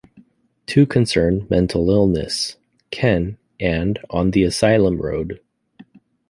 Two concern mental illness - "Ken" and "On the Asylum Road".